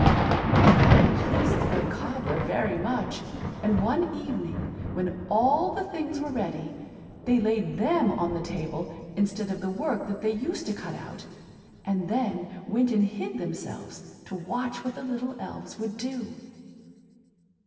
â The thought pleased the good cobbler very much; and one evening, when all the things were ready, they laid them on the table, instead of the work that they used to cut out, and then went and hid themselves, to watch what the little elves would do.